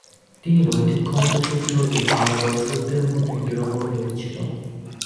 তিনি ভৌতিক ক্ষমতা সিদ্ধ এই ধারণা দর্শকদের মনে দৃঢ়মূল হয়েছিল।